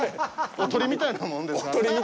おとりみたいなもんね。